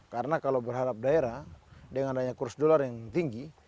karena kalau berharap daerah dengan dayanya kursus dolar yang tinggi